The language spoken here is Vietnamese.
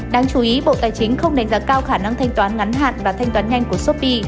đáng chú ý bộ tài chính không đánh giá cao khả năng thanh toán ngắn hạn và thanh toán nhanh của shopee